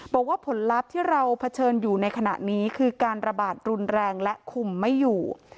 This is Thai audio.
บอกว่าผลลัพธ์ที่เราเผชิญอยู่ในขณะนี้คือการระบาดรุนแรงและคุมไม่อยู่